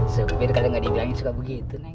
sopir kalo ga dibilangin suka begitu neng